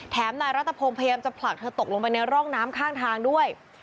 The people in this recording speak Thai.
นายรัฐพงศ์พยายามจะผลักเธอตกลงไปในร่องน้ำข้างทางด้วย